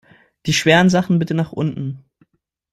Die schweren Sachen bitte nach unten!